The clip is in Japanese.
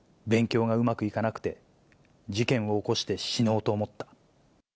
勉強がうまくいかなくて、事件を起こして死のうと思った。